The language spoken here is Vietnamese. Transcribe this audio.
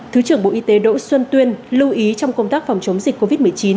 thứ trưởng bộ y tế đỗ xuân tuyên lưu ý trong công tác phòng chống dịch covid một mươi chín